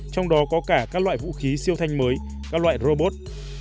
trong đó có cả các loại vũ khí siêu thanh mới các loại robot